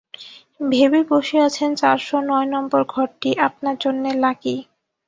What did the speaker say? ভেবে বসে আছেন চারশো নয় নম্বর ঘরটি আপনার জন্যে লাকি।